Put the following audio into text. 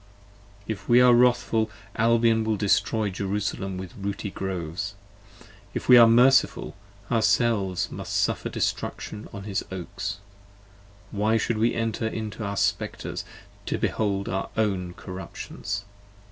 If we are wrathful Albion will destroy Jerusalem with rooty Groves, If we are merciful, ourselves must suffer destruction on his Oaks: Why should we enter into our Spectres, to behold our own corruptions?